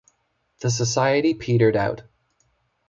The society petered out.